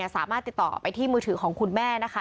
สามารถติดต่อไปที่มือถือของคุณแม่นะคะ